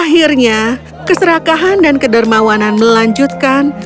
akhirnya keserakahan dan kedermawanan melanjutkan